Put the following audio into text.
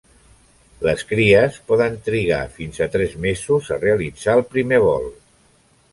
Les cries poden trigar fins a tres mesos a realitzar el primer vol.